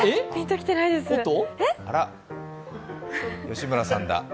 あらっ、吉村さんだ。